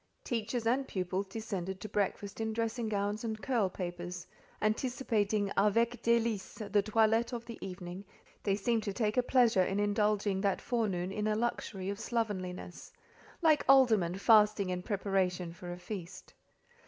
Teachers and pupils descended to breakfast in dressing gowns and curl papers: anticipating "avec délices" the toilette of the evening, they seemed to take a pleasure in indulging that forenoon in a luxury of slovenliness; like aldermen fasting in preparation for a feast.